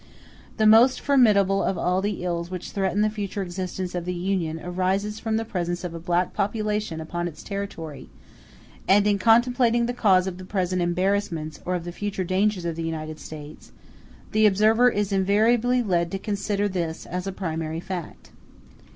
The most formidable of all the ills which threaten the future existence of the Union arises from the presence of a black population upon its territory; and in contemplating the cause of the present embarrassments or of the future dangers of the United States, the observer is invariably led to consider this as a primary fact.